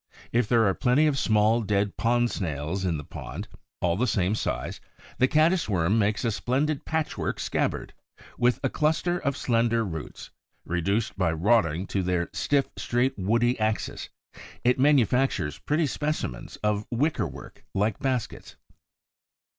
If there are plenty of small, dead Pond snails in the pond, all of the same size, the Caddis worm makes a splendid patchwork scabbard; with a cluster of slender roots, reduced by rotting to their stiff, straight, woody axis, it manufactures pretty specimens of wicker work like baskets.